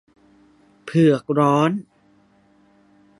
เผือกร้อน